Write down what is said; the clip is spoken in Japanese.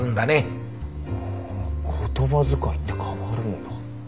ああ言葉遣いって変わるんだ。